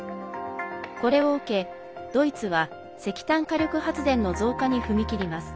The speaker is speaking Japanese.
これを受け、ドイツは石炭火力発電の増加に踏み切ります。